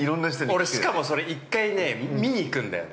◆俺、しかも、それ一回見に行くんだよ。